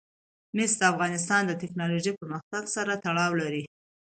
مس د افغانستان د تکنالوژۍ پرمختګ سره تړاو لري.